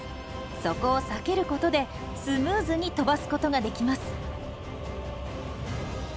そこを避けることでスムーズに飛ばすことができます。